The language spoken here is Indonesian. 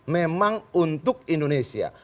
memang untuk indonesia